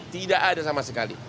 tidak ada sama sekali